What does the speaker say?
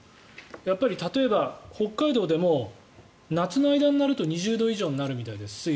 やっぱり例えば北海道でも夏の間になると２０度以上に水温がなるみたいです。